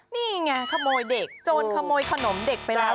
นี่ไงขโมยเด็กโจรขโมยขนมเด็กไปแล้ว